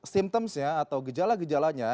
simptomsnya atau gejala gejalanya